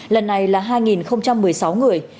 lần này là hai một mươi sáu người